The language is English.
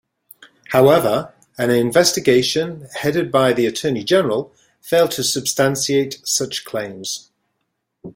However, an investigation headed by the Attorney General failed to substantiate such claims.